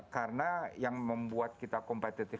karena yang membuat kita kompetitif